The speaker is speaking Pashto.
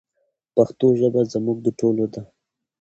پښتو ژبه زموږ د ټولو ده.